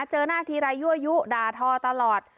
เจอหน้าทีไรยั่วยุด่าทอตลอด